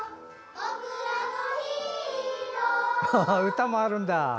歌もあるんだ。